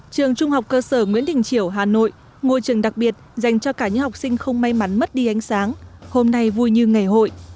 trường trung học cơ sở nguyễn đình chiểu hà nội ngôi trường đặc biệt dành cho cả những học sinh không may mắn mất đi ánh sáng hôm nay vui như ngày hội